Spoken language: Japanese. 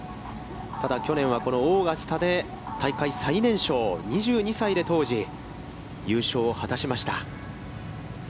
ただ去年は、このオーガスタで、大会最年少、２２歳で当時、優勝を果たしました。